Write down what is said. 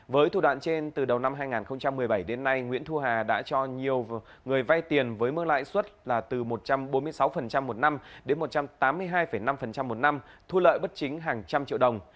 với thủ đoạn trên từ đầu năm hai nghìn một mươi bảy đến nay nguyễn thu hà đã cho nhiều người vay tiền với mức lãi suất là từ một trăm bốn mươi sáu một năm đến một trăm tám mươi hai năm một năm thu lợi bất chính hàng trăm triệu đồng